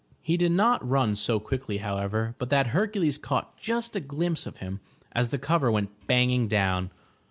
He did not run so quickly however, but that Hercules caught just a glimpse of him as the cover went banging down.